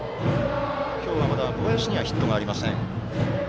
今日はまだ小林にはヒットありません。